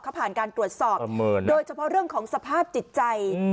เขาผ่านการตรวจสอบโดยเฉพาะเรื่องของสภาพจิตใจ